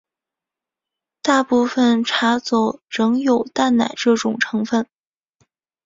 大部份茶走仍有淡奶这种成份。